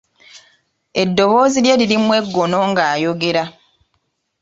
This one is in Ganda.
Eddoboozi lye lirimu eggono ng'ayogera.